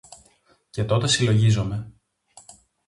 Και τότε συλλογίζομαι